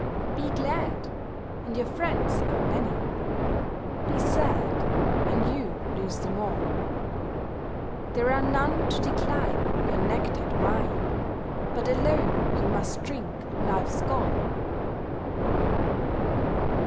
Be glad, and your friends are many; Be sad, and you lose them all; There are none to decline your nectar'd wine, But alone you must drink life's gall.